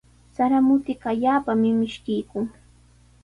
Sara mutiqa allaapami mishkiykun.